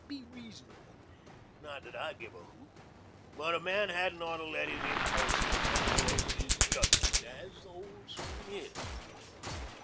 Be reasonable. Not that I give a hoot, but a man hadn't ought to let his impulses run away with his judgment, as the old sayin' is."